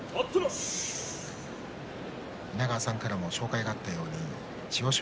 稲川さんからも紹介があったように千代翔